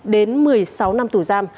đến một mươi sáu năm tù giam